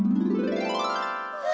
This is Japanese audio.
うわ！